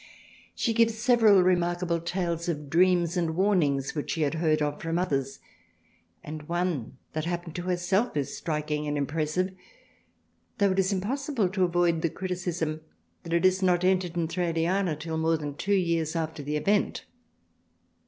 She gives several remarkable tales of Dreams and warnings which she had heard from others and one that happened to herself is striking and impressive, though it is impossible to avoid the criticism that it is not entered in Thraliana till more than two years after the event.